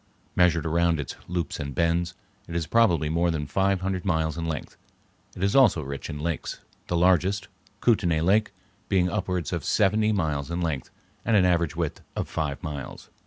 Measured around its loops and bends, it is probably more than five hundred miles in length. It is also rich in lakes, the largest, Kootenay Lake, being upwards of seventy miles in length with an average width of five miles.